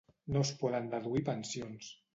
No es poden deduir pensions.